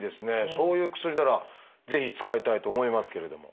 そういう薬ならぜひ使いたいと思いますけれども。